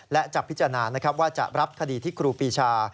และจะพิจารณานะครับว่าจะรับคดีที่ครูปีชา